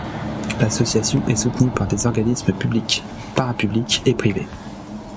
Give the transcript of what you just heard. L'association est soutenue par des organismes publics, parapublics et privés.